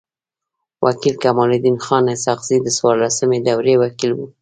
و کيل کمال الدین خان اسحق زی د څوارلسمي دوری وکيل وو.